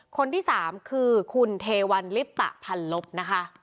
คนที่สามคือคุณเทวันลิปตะพันลบนะคะ